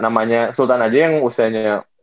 namanya sultan aja yang usianya